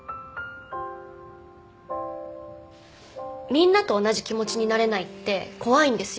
みんなと同じ気持ちになれないって怖いんですよ。